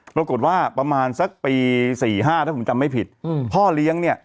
ประมาณสักปีสี่ห้าถ้าผมจำไม่ผิดพ่อเลี้ยงเนี่ย